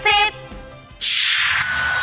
ที่พักหลักร้อยของอร่อยหลักสิบ